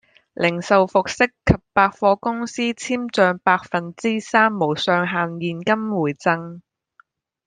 零售服飾及百貨公司簽賬百分之三無上限現金回贈